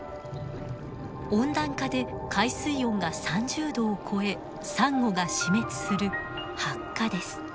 温暖化で海水温が３０℃を超えサンゴが死滅する白化です。